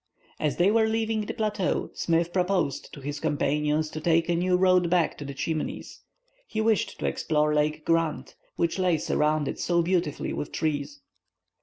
As they were leaving the plateau, Smith proposed to his companions to take a new road back to the Chimneys. He wished to explore Lake Grant, which lay surrounded so beautifully with trees.